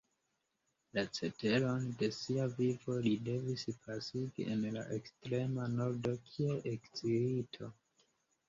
La ceteron de sia vivo li devis pasigi en la ekstrema Nordo kiel ekzilito.